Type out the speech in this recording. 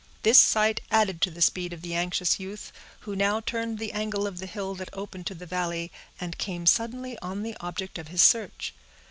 This sight added to the speed of the anxious youth, who now turned the angle of the hill that opened to the valley, and came suddenly on the object of his search.